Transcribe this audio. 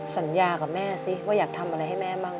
สัญญากับแม่สิว่าอยากทำอะไรให้แม่บ้าง